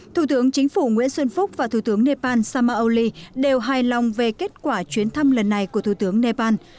thủ tướng chính phủ nguyễn xuân phúc và thủ tướng nepal samaoli đều hài lòng về kết quả chuyến thăm lần này của thủ tướng nepal